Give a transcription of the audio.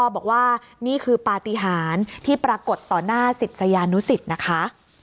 บอกว่านี่คือปฏิหารที่ปรากฏต่อหน้าศิษยานุสิตนะคะ